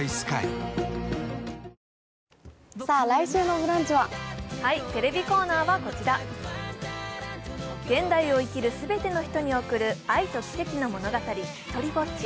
オールインワンテレビコーナーはこちら、現代を生きる全ての人におくる愛と奇跡の物語、「ひとりぼっち」。